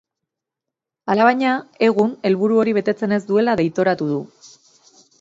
Alabaina, egun helburu hori betetzen ez duela deitoratu du.